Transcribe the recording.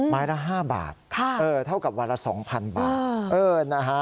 ไม้ละ๕บาทเท่ากับวันละ๒๐๐๐บาท